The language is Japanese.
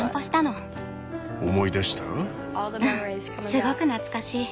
すごく懐かしい。